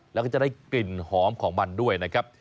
แล้วก็จะได้กลิ่นหอมของมันด้วยนะครับ